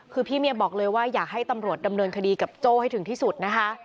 คือพี่เมียบอกเลยว่าอยากให้ตำรวจดำเนินคดีกับโจ้ให้ถึงที่สุดนะคะ